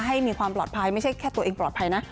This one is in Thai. ให้มีความปลอดภัยไม่ใช่แค่ตัวเองปลอดภัยนะ